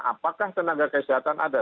apakah tenaga kesehatan ada